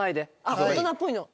あっ大人っぽいの。